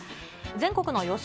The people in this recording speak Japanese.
全国の予想